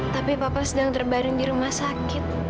tapi papa sedang terbaring di rumah sakit